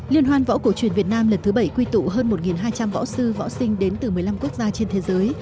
liên hoan võ cổ truyền việt nam lần thứ bảy quy tụ hơn một hai trăm linh võ sư võ sinh đến từ một mươi năm quốc gia trên thế giới